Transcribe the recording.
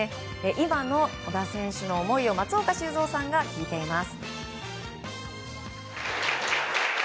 今の小田選手の思いを松岡修造さんが聞いています。